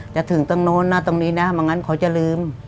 จะถึงตรงโน้นตรงนี้นะหรืออย่างนั้นขอจะลืม